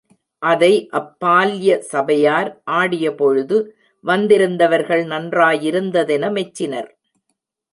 அதை அப்பால்ய சபையார் ஆடிய பொழுது, வந்திருந்தவர்கள் நன்றாயிருந்ததென மெச்சினர்.